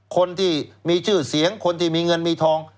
คนที่มีชื่อเสียงคนที่มีเงินมีทอง